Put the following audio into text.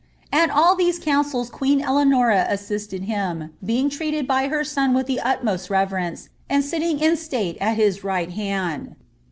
At all these councils queen Eleanora assisted him, being treated by her son with the utmost reverence, and sitting in state at his right hand.